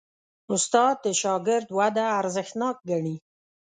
استاد د شاګرد وده ارزښتناک ګڼي.